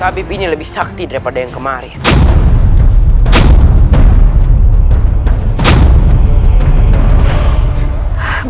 tapi bini lebih sakti daripada yang kemarin